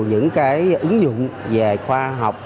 những cái ứng dụng về khoa học